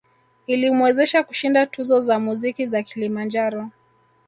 Ilimwezesha kushinda tuzo za muziki za Kilimanjaro